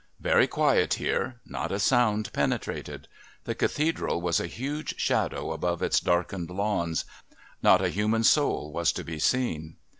Very quiet here; not a sound penetrated. The Cathedral was a huge shadow above its darkened lawns; not a human soul was to be seen.